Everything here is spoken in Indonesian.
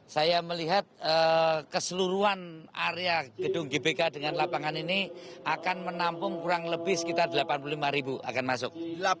saya melihat keseluruhan area gedung gbk dengan lapangan ini akan menampung kurang lebih sekitar delapan puluh lima ribu akan masuk